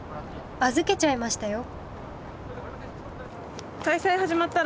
預けちゃいましたよ。